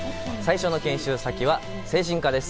最初の研修先は精神科です。